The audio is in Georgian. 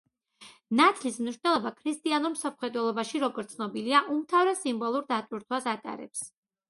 ნათლის მნიშვნელობა ქრისტიანულ მსოფლმხედველობაში, როგორც ცნობილია, უმთავრეს სიმბოლურ დატვირთვას ატარებს.